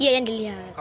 iya yang dilihat